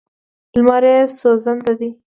لمر یې سوځنده دی.